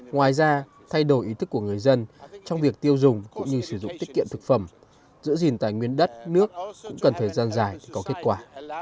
ngoài ra thay đổi ý thức của người dân trong việc tiêu dùng cũng như sử dụng tiết kiệm thực phẩm giữ gìn tài nguyên đất nước cũng cần thời gian dài có kết quả